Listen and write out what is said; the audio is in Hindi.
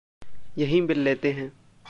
यहीं मिल लेते हैं।